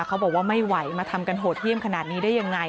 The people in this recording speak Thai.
เขาบอกว่าไม่ไหวมาทำกันโหดเยี่ยมขนาดนี้ได้ยังไง